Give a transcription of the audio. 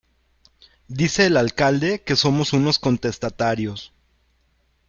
Dice el alcalde que somos unos contestatarios.